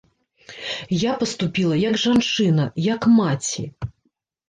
Я паступіла як жанчына, як маці.